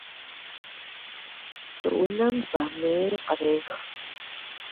Щӏыунэм бамейр кърех.